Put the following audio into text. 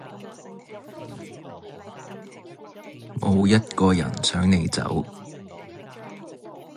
冇一個人想你走